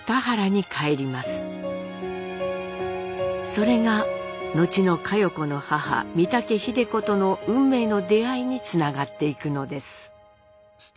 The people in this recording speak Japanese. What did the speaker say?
それが後の佳代子の母三竹秀子との運命の出会いにつながっていくのです。